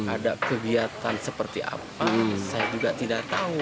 ada kegiatan seperti apa saya juga tidak tahu